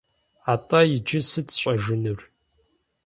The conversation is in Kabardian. Атӏэ иджы сыт сщӏэжынур?